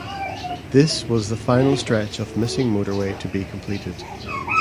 This was the final stretch of missing motorway to be completed.